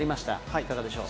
いかがでしょう。